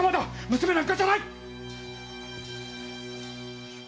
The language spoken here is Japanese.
娘なんかじゃないっ‼